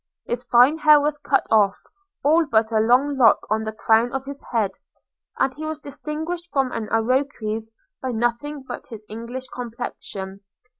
His fine hair was cut off, all but a long lock on the crown of his head – and he was distinguished from an Iroquois by nothing but his English complexion.